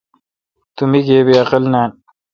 تو مے°گیبی عقل نان۔